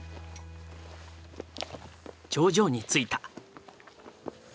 頂上に着いた。